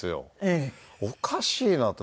おかしいなと。